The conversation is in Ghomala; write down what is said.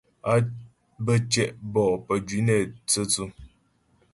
Á bə́ tyɛ' bɔ'ó pə́jwǐ nɛ tsə̌tsʉ.